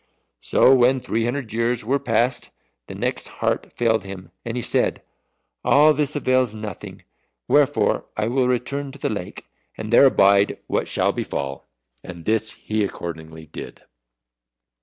So when three hundred years were past, the Neck's heart failed him, and he said, "All this avails nothing. Wherefore I will return to the lake, and there abide what shall befall." And this he accordingly did.